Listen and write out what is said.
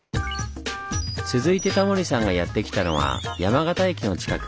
続いてタモリさんがやって来たのは山形駅の近く。